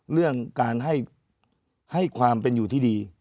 เรื่องการให้ความเป็นอยู่ที่ดี